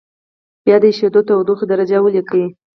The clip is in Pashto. بیا د اېشېدو تودوخې درجه ولیکئ.